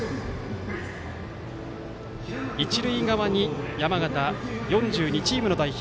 一塁側に山形４２チームの代表